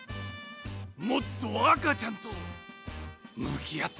もっとあかちゃんとむきあって！